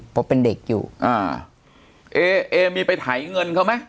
เพราะเป็นเด็กอยู่อ่าเอเอมีไปไถเงินเขาไหม